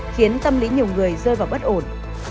khiến tâm lý nhiều người rơi vào bất ổn